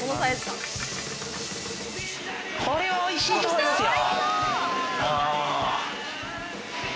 これ、おいしいと思いますよ。